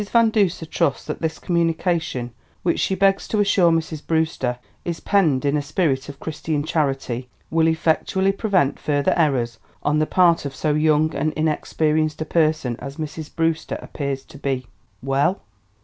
Van Duser trusts that this communication, which she begs to assure Mrs. Brewster is penned in a spirit of Christian charity, will effectually prevent further errors on the part of so young and inexperienced a person as Mrs. Brewster appears to be." "Well?"